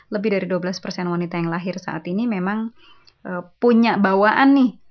lebih dari dua belas wanita yang lahir saat ini memang punya bawaan nih